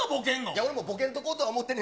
俺もボケんとこうとは思ってんねん。